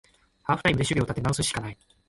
ハーフタイムで守備を立て直すしかない